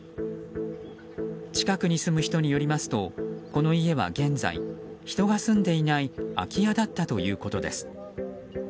近くに住む人によりますとこの家は現在人が住んでいない空き家だったということです。